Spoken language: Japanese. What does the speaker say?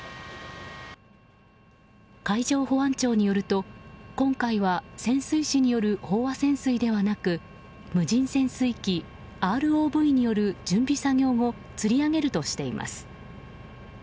海上保安庁によると、今回は潜水による飽和潜水ではなく無人潜水機・ＲＯＶによる準備作業後つり上げるとしています。